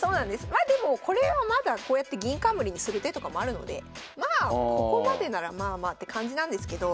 まあでもこれはまだこうやって銀冠にする手とかもあるのでまあここまでならまあまあって感じなんですけど。